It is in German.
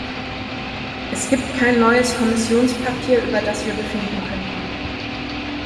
Es gibt kein neues Kommissionspapier, über das wir befinden könnten.